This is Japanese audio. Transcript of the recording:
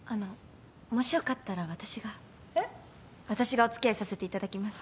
私がお付き合いさせていただきます。